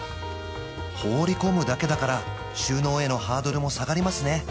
放り込むだけだから収納へのハードルも下がりますね